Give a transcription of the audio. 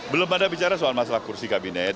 belum ada bicara soal masalah kursi kabinet